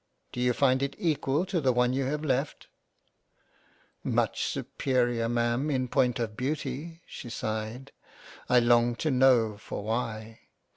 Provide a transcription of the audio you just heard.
Do you find it equal to the one you have left ?"" Much superior Ma'am in point of Beauty." She sighed. I longed to know for why.